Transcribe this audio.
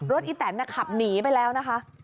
อีแตนขับหนีไปแล้วนะคะ